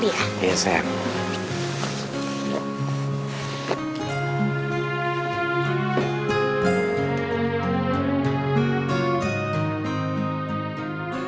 tukang nad irgendwie kirimnya